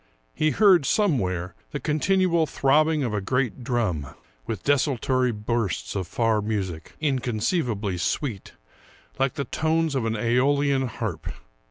He heard, somewhere, the continual throbbing of a great drum, with desultory bursts of far music, inconceiv ably sweet, like the tones of an seolian harp.